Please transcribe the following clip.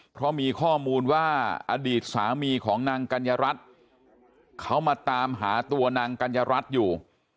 เพราะมีข้อมูลว่าอดีตสามีของนางกัญญารัฐเขามาตามหาตัวนางกัญญารัฐอยู่